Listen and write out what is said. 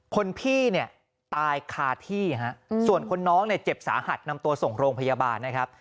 คนพี่เนี่ยตายคาที่ฮะส่วนคนน้องเนี่ยเจ็บสาหัสนำตัวส่งโรงพยาบาลนะครับ